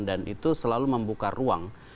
dan itu selalu membuka ruang